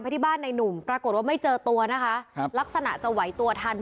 ที่บ้านในหนุ่มปรากฏว่าไม่เจอตัวนะคะครับลักษณะจะไหวตัวทัน